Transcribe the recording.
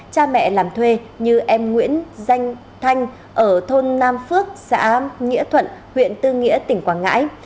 cha mẹ làm thuê như em nguyễn danh thanh ở thôn nam phước xã nghĩa thuận huyện tư nghĩa tỉnh quảng ngãi